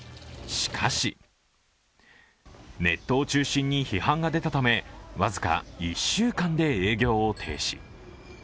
しかし、ネットを中心に批判が出たため、僅か１週間で営業を停止。